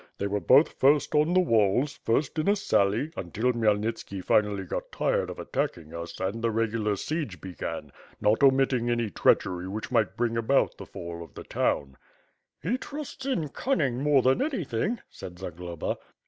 They were both first on the walls, first in a sally, until Khymel nitski finally got tired of attacking us and the regular siege b^an, not omitting any treachery which might bring about the fall of the to^^ii." "He trusts in cunning more than anything," said Zagloba.